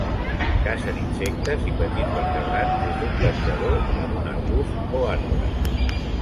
Cacen insectes i petits vertebrats des d'un penjador en un arbust o arbre.